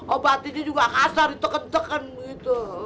obatnya juga kasar di teken teken gitu